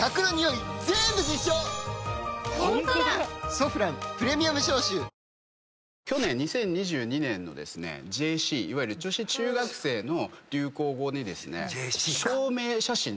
「ソフランプレミアム消臭」去年２０２２年のＪＣいわゆる女子中学生の流行語にですね。